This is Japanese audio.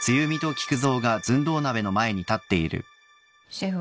シェフ